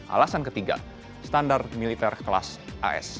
alasan ketiga standar militer kelas as